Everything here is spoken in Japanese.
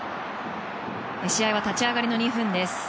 試合は立ち上がりの２分です。